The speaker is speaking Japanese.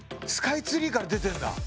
スカイツリーから出てんだ！